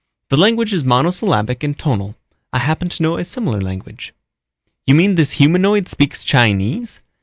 The language is monosyllabic and tonal. I happen to know a similar language." "You mean this humanoid speaks Chinese?"